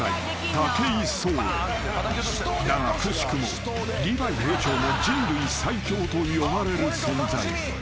［だがくしくもリヴァイ兵長も人類最強と呼ばれる存在］